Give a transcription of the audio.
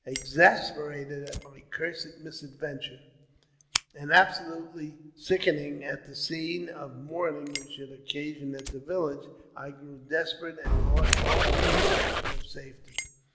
Exasperated at my cursed misadventure, and absolutely sickening at the scene of mourning we should occa ' sion at the village, I grew desperate, and lost all consideration ■ of safety.